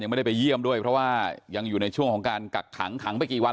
ไม่ได้ไปเยี่ยมด้วยเพราะว่ายังอยู่ในช่วงของการกักขังขังไปกี่วัน